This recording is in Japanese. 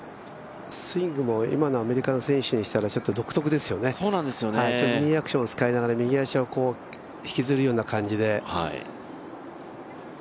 スイングも今のアメリカの選手にしたら独特ですよね、右アクションを使いながら右足を引きずるような感じで。